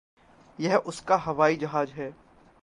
यह उसका हवाई जहाज़ है।